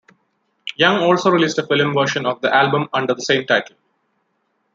Young also released a film version of the album under the same title.